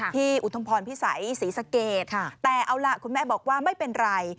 อุทมพรพิสัยศรีสะเกดแต่เอาล่ะคุณแม่บอกว่าไม่เป็นไร